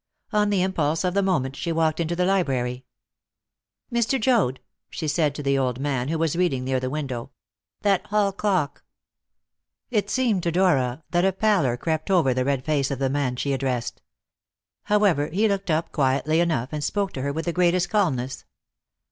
On the impulse of the moment she walked into the library. "Mr. Joad," she said to the old man, who was reading near the window, "that hall clock." It seemed to Dora that a pallor crept over the red face of the man she addressed. However, he looked up quietly enough, and spoke to her with the greatest calmness.